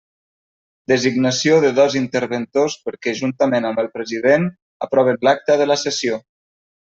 Designació de dos interventors perquè, juntament amb el president, aproven l'acta de la sessió.